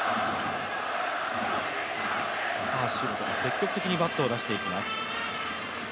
高橋宏斗が積極的にバットを出していきます。